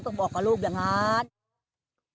บอกกับลูกอย่างนั้น